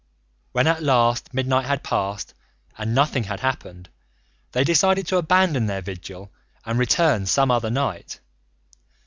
When at last midnight had passed and nothing had happened, they decided to abandon their vigil and return some other night.